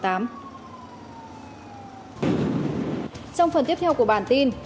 trong phần tiếp theo của bản tin